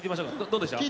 どうでした？